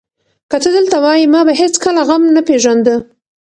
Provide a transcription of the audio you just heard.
که ته دلته وای، ما به هېڅکله غم نه پېژانده.